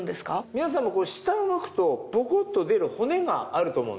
皆さんも下を向くとボコっと出る骨があると思う。